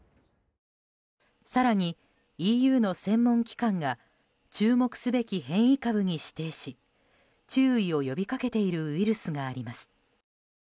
更にＥＵの専門機関が注目すべき変異株に指定し注意を呼び掛けているウイルスがあります。